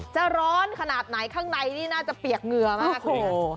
จะร้อนขนาดไหนข้างในนี่น่าจะเปียกเหงื่อมากเลย